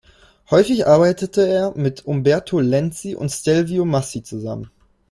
Häufig arbeitete er mit Umberto Lenzi und Stelvio Massi zusammen.